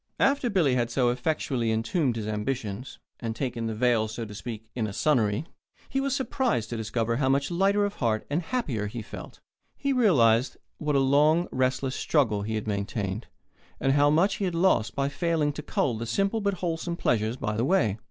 After Billy had so effectually entombed his ambitions, and taken the veil, so to speak, in a sonnery, he was surprised to discover how much lighter of heart and happier he felt. He realized what a long, restless struggle he had maintained, and how much he had lost by failing to cull the simple but wholesome pleasures by the way.